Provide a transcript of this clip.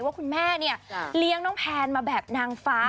ว่าคุณแม่เนี่ยเลี้ยงน้องแพนมาแบบนางฟ้า